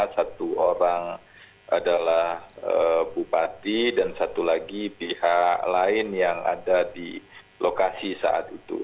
satu orang adalah bupati dan satu lagi pihak lain yang ada di lokasi saat itu